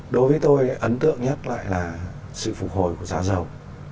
đối với tôi ấn tượng nhất lại là sự phục hồi của giá dầu